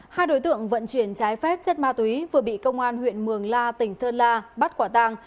hai đối tượng vận chuyển trái phép chất ma túy vừa bị công an huyện mường la tỉnh sơn la bắt quả tàng